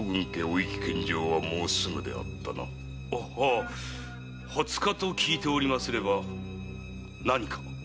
はあ二十日と聞いておりますれば何か？